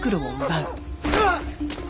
うわっ！